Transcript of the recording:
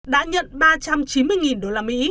đã nhận ba trăm chín mươi usd